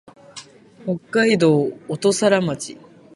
北海道音更町